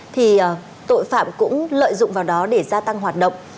thì tội phạm cũng lợi dụng vào đó để gia tăng hoạt động